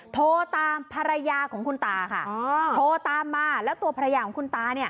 โทรตามภรรยาของคุณตาค่ะโทรตามมาแล้วตัวภรรยาของคุณตาเนี่ย